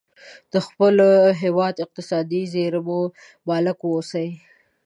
د خپل هیواد اقتصادي زیرمو مالک واوسي.